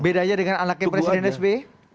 beda aja dengan alakin presiden sbi